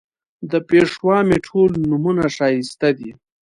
د پېشوا مې ټول نومونه ښایسته دي